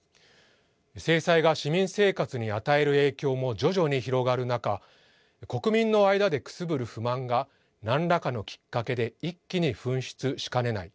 制裁が市民生活に与える影響も徐々に広がる中国民の間でくすぶる不満がなんらかのきっかけで一気に噴出しかねない。